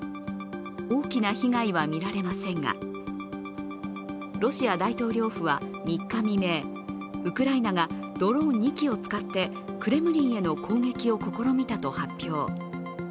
大きな被害は見られませんが、ロシア大統領府は３日未明、ウクライナがドローン２機を使ってクレムリンへの攻撃を試みたと発表。